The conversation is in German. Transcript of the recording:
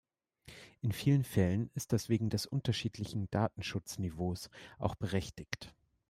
In vielen Fällen ist das wegen des unterschiedlichen Datenschutzniveaus auch berechtigt.